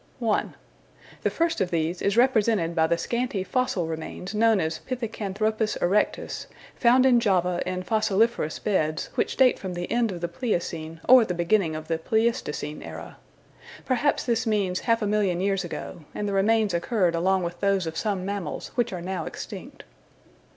1. The first of these is represented by the scanty fossil remains known as Pithecanthropus erectus, found in Java in fossiliferous beds which date from the end of the Pliocene or the beginning of the Pleistocene era. Perhaps this means half a million years ago, and the remains occurred along with those of some mammals which are now extinct.